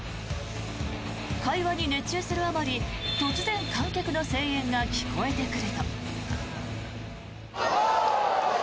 会話に熱中するあまり突然、観客の声援が聞こえてくると。